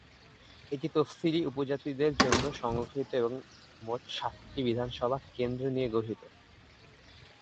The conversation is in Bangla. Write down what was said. এটি তফসিলী উপজাতিদের জন্য সংরক্ষিত এবং মোট সাতটি বিধানসভা কেন্দ্র নিয়ে গঠিত।